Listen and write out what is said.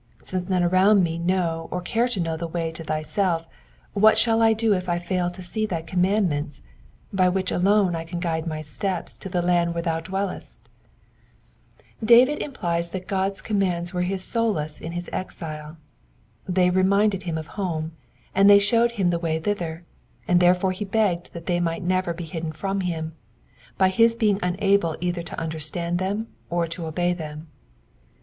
Since none around me know or care to know the way to thyself, what shall I do if I fail to see thy com mands, by which alone I can guide my steps to the land where thou dwellest ? Band implies that God^s commands were his solace in his exile : they re minded him of home, and they showed him the way thither, and therefore he begged that they might never be hidden from him, by his being unable either to understand them or to obey them.